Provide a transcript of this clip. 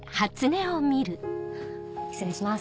失礼します。